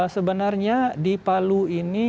sebenarnya di palu ini